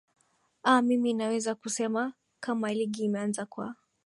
aa mimi naweza kusema kama ligi imeanza kwa